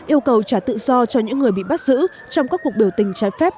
yêu cầu trả tự do cho những người bị bắt giữ trong các cuộc biểu tình trái phép